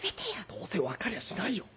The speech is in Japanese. どうせ分かりゃしないよ。